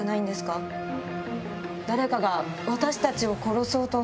誰かが私たちを殺そうと。